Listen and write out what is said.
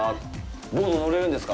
ボート乗れるんですか。